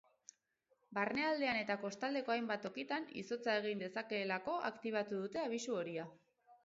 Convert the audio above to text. Barnealdean eta kostaldeko hainbat tokitan izotza egin dezakeelako aktibatu dute abisu horia.